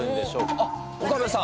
あっ、岡部さん。